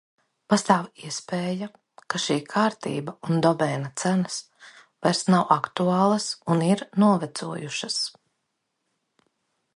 Pastāv iespēja, ka šī kārtība un domēna cenas vairs nav aktuālas un ir novecojušas.